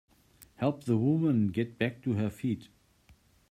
Help the woman get back to her feet.